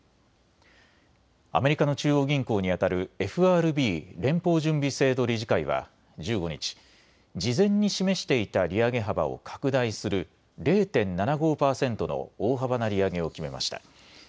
アメリカの中央銀行にあたるＦＲＢ・連邦準備制度理事会は１５日、事前に示していた利上げ幅を拡大する０．７５％の大幅な利上げを決めました。